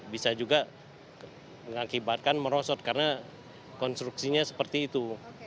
bisa juga mengakibatkan merosot karena konstruksinya seperti itu